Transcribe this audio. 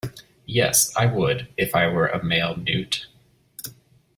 Yes, I would, if I were a male newt.